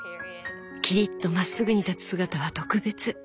きりっとまっすぐに立つ姿は特別。